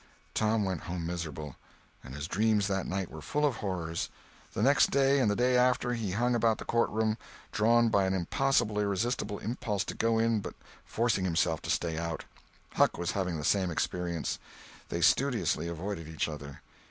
Tom went home miserable, and his dreams that night were full of horrors. The next day and the day after, he hung about the courtroom, drawn by an almost irresistible impulse to go in, but forcing himself to stay out. Huck was having the same experience. They studiously avoided each other.